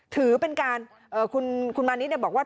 ถือเป็นการคุณมาณิชส์เนี่ยบอกว่า